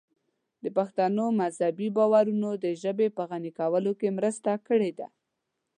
د پښتنو مذهبي باورونو د ژبې په غني کولو کې مرسته کړې ده.